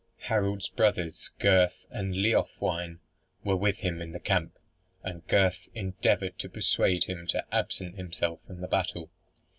Harold's brothers, Gurth and Leofwine, were with him in the camp, and Gurth endeavoured to persuade him to absent himself from the battle.